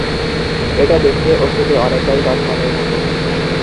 এটা দেখতে ও খেতে অনেকটাই লটকন-এর মত।